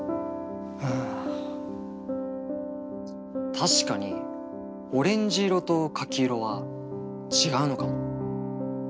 確かにオレンジ色と柿色は違うのかも。